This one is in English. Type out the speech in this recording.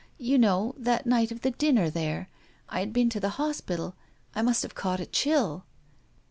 You know that night of the dinner here. I had been to the hospital. I must have caught a chill."